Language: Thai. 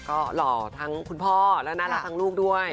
ก็หล่อทั้งคุณพ่อและน่ารักทั้งลูกด้วย